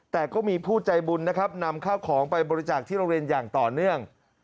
แต่ก็มีผู้ใจบุญนะครับนำข้าวของไปบริจาคที่โรงเรียนอย่างต่อเนื่อง